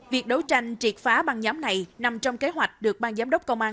việc đấu tranh triệt phá băng giám này nằm trong kế hoạch được băng giám đốc công an